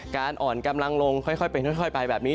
อ่อนกำลังลงค่อยเป็นค่อยไปแบบนี้